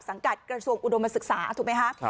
กัดกระทรวงอุดมศึกษาถูกไหมคะ